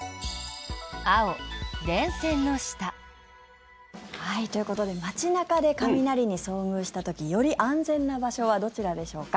青、電線の下。ということで街中で雷に遭遇した時より安全な場所はどちらでしょうか。